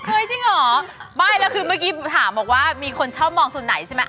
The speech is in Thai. จริงเหรอไม่แล้วคือเมื่อกี้ถามบอกว่ามีคนชอบมองส่วนไหนใช่ไหม